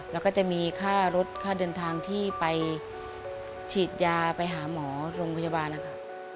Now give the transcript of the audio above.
แล้วก็จะมีค่ารถค่าเดินทางที่ไปฉีดยาไปหาหมอโรงพยาบาลนะคะ